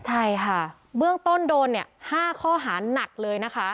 ใช่ค่ะเบื้องต้นโดนเนี่ย๕ข้อหานักเลยนะคะ